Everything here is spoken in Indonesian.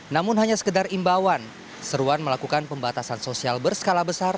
namun hanya sekedar imbauan seruan melakukan pembatasan sosial berskala besar